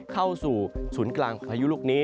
เข้าสู่ศูนย์กลางของพายุลูกนี้